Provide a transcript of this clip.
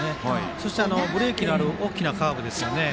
そして、ブレーキのある大きなカーブですよね。